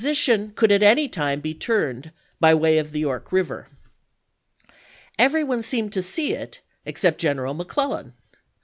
tion could at any time be tui'ned by way of York River. Every one seemed to see it except General McClellan.